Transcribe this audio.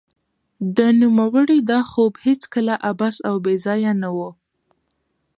د نوموړي دا خوب هېڅکله عبث او بې ځای نه و